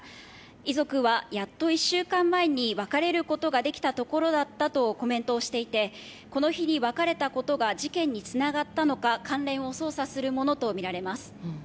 遺族はやっと１週間前に別れることができたところだったとコメントしていてこの日に別れたことが事件につながったのか関連を捜査するものとみられます。